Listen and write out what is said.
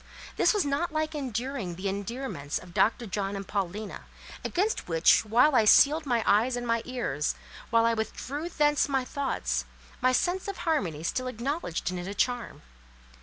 This was not like enduring the endearments of Dr. John and Paulina, against which while I sealed my eyes and my ears, while I withdrew thence my thoughts, my sense of harmony still acknowledged in it a charm.